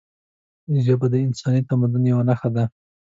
ژبه د انساني تمدن یوه نښه ده